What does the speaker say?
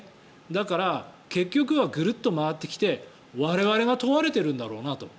だから、結局はぐるっと回ってきて我々が問われているんだろうなと。